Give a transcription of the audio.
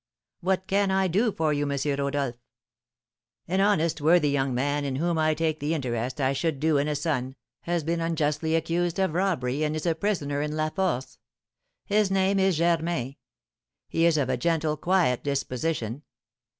What can I do for you, M. Rodolph?' 'An honest, worthy young man, in whom I take the interest I should do in a son, has been unjustly accused of robbery, and is a prisoner in La Force. His name is Germain; he is of a gentle, quiet disposition.